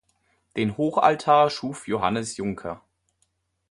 Den Hochaltar schuf Johannes Juncker.